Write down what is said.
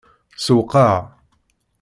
Sewwqeɣ.